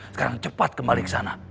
sekarang cepat kembali ke sana